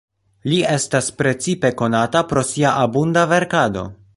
Li estas precipe konata pro sia abunda verkado.